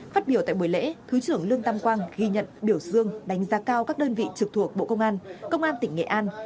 phát biểu tại buổi lễ thứ trưởng lương tam quang ghi nhận biểu dương đánh giá cao các đơn vị trực thuộc bộ công an công an tỉnh nghệ an